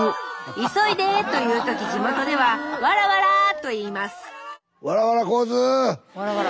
「急いで」と言う時地元では「わらわら」と言いますわらわら！